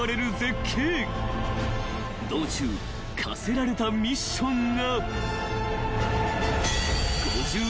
［道中課せられたミッションが］